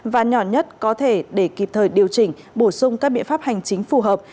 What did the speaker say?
và nhỏ nhất có thể để kịp thời điều chỉnh bổ sung các biện pháp hành chính phù hợp